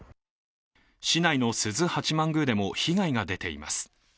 市内の須受八幡宮でも被害が出ています。